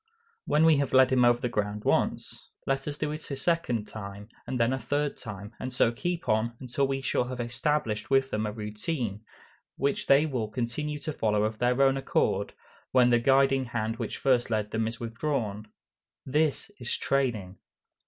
When we have led them over the ground once, let us do it a second time, and then a third time, and so keep on, until we shall have established with them a routine, which they will continue to follow of their own accord, when the guiding hand which first led them is withdrawn. _This is training.